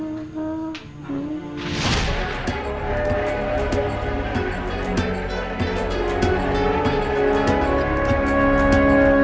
baik saham ya ibu